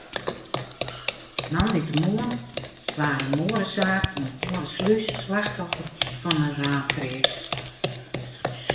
Moandeitemoarn waard in moadesaak oan de Alde Slûs slachtoffer fan in raamkreak.